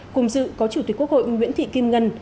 cùng dự có chủ tịch quốc hội nguyễn thị kim ngân